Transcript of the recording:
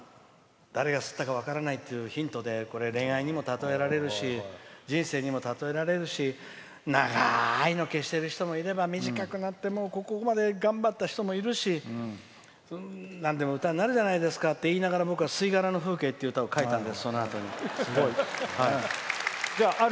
誰が吸ったか分からないっていうヒントで恋愛にも例えられるし人生にも例えられるし長いので消してる人がいれば短いこんな頑張った人もいるしなんでも歌になるじゃないですかって僕は「吸殻の風景」って歌を書いたんです。